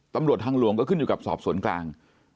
ตำรวจทางหลวงก็ขึ้นอยู่กับสอบสวนกลาง